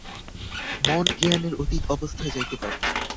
মন জ্ঞানের অতীত অবস্থায় যাইতে পারে।